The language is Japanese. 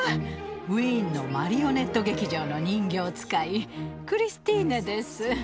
ウィーンのマリオネット劇場の人形使いクリスティーネです。